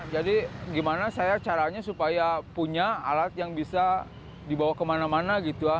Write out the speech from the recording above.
jadi gimana caranya saya supaya punya alat yang bisa dibawa kemana mana